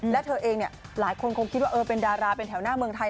และเธอเองหลายคนคงคิดว่าเป็นดาราเป็นแถวหน้าเมืองไทย